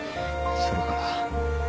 それから。